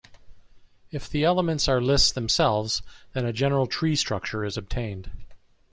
If the elements are lists themselves, then a general tree structure is obtained.